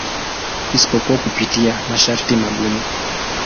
Isipokuwa kupitia masharti magumu.